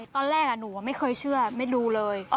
ตอนแรกหนูไม่เคยเชื่อไม่ดูเลย